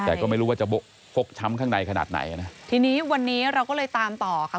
แต่ก็ไม่รู้ว่าจะฟกช้ำข้างในขนาดไหนอ่ะนะทีนี้วันนี้เราก็เลยตามต่อค่ะ